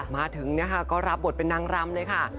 มาถึงนะคะก็รับบทเป็นนางรำเลยค่ะ